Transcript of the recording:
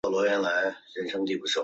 圣胡安省。